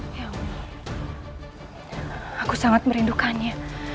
nyiiroh aku sangat merindukannya